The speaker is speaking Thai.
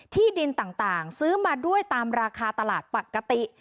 ที่ดินต่างซื้อมาด้วยตามราคาตลาดปกติ